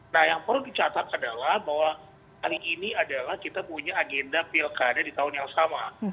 nah yang perlu dicatat adalah bahwa hari ini adalah kita punya agenda pilkada di tahun yang sama